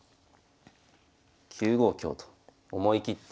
９五香と思い切って。